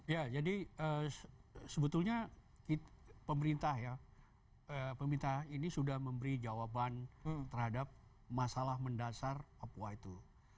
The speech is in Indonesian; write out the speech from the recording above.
ya jadi sebetulnya pemerintah ya pemerintah ini sudah memberi jawaban terhadap masalah mendasar papua itu